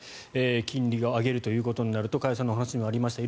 金利を上げるということになると加谷さんのお話にもありました